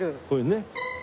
これね。